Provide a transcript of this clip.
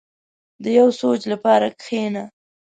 • د یو سوچ لپاره کښېنه.